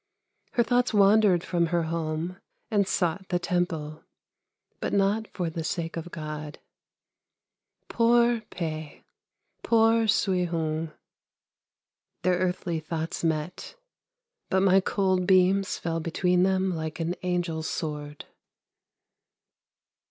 Her thoughts wandered from her home and sought the Temple, but not for the sake of God! Poor Pe! Poor Soui houng! their earthly thoughts met, but my cold beams fell between them like an angel's sword!